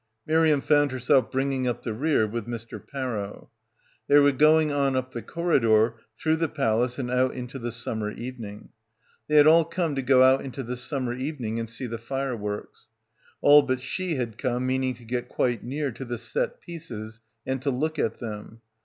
Miriam found herself bringing up the rear with Mr. Parrow. They were going on up the corridor, through the Palace and out into the summer evening. They had all come to go out into the summer evening and see the fireworks. All but she had come meaning to get quite near to the 'set pieces' and to look at them.